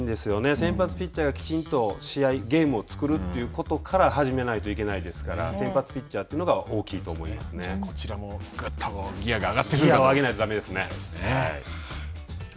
先発ピッチャーがきちんと試合、ゲームを作るということから始めないといけないですから、先発ピッチャーというのが大きいと思いどちらもぐっとギアが上がって。